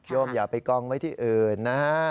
อย่าไปกองไว้ที่อื่นนะฮะ